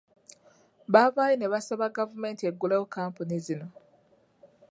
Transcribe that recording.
Baavaayo ne basaba gavumenti eggulewo kkampuni zino .